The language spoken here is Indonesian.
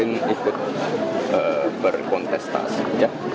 iya seperti biasa aja